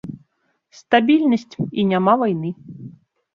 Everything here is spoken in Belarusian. Стабільнасць і няма вайны.